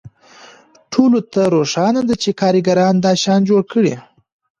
ټولو ته روښانه ده چې کارګرانو دا شیان جوړ کړي